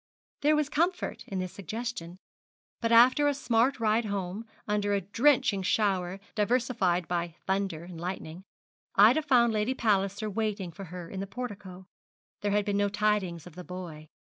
There was comfort in this suggestion; but after a smart ride home, under a drenching shower diversified by thunder and lightning, Ida found Lady Palliser waiting for her in the portico. There had been no tidings of the boy.